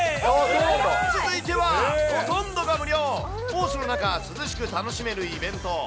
続いては、ほとんどが無料、猛暑の中、涼しく楽しめるイベント。